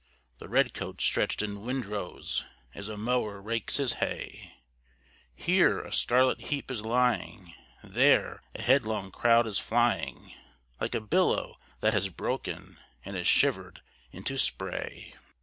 The redcoats stretched in windrows as a mower rakes his hay; Here a scarlet heap is lying, there a headlong crowd is flying Like a billow that has broken and is shivered into spray.